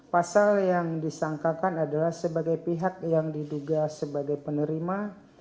pasal yang disangkakan adalah sebagai pihak yang diduga sebagai penerima